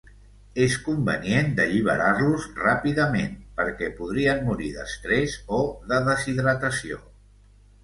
És convenient d'alliberar-los ràpidament, perquè podrien morir d'estrès o de deshidratació.